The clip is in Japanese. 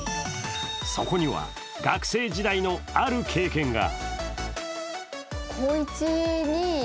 そこには学生時代のある経験が。